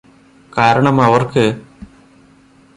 കാരണം അവര്ക്ക്